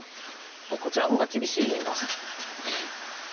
こちらの方が厳しい意味がありますか。